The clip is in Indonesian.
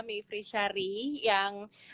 mayfri syari yang